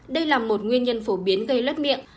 đây là một nguyên nhân phổ biến gây lét miệng